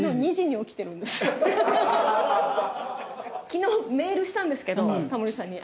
昨日メールしたんですけどタモリさんに。